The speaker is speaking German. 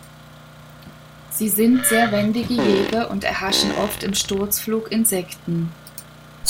Sie sind sehr wendige Jäger und erhaschen oft im Sturzflug Insekten.